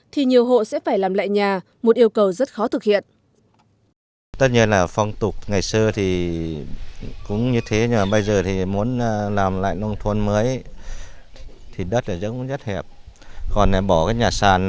thì nhiều hộ sẽ phải làm lại nhà một yêu cầu rất khó thực hiện